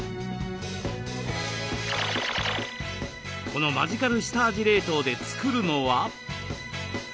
このマジカル下味冷凍で作るのは？